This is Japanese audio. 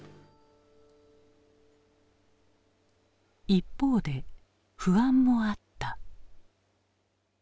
一方で不安もあった。